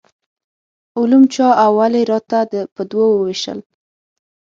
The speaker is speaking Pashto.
علوم چا او ولې راته په دوو وویشل.